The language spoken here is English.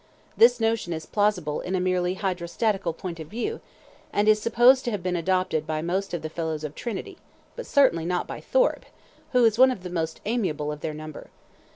This notion is plausible in a merely hydrostatical point of view, and is supposed to have been adopted by most of the Fellows of Trinity, but certainly not by Thorp, who is one of the most amiable of their number.